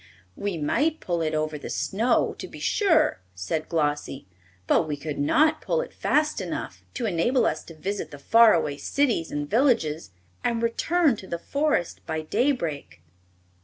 "We might pull it over the snow, to be sure," said Glossie; "but we would not pull it fast enough to enable us to visit the far away cities and villages and return to the Forest by daybreak."